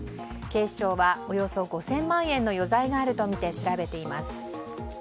警視庁はおよそ５０００万円の余罪があるとみて調べています。